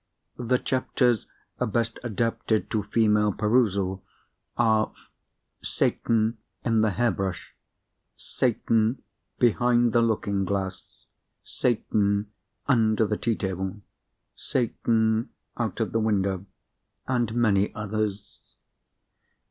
The chapters best adapted to female perusal are "Satan in the Hair Brush;" "Satan behind the Looking Glass;" "Satan under the Tea Table;" "Satan out of the Window"—and many others.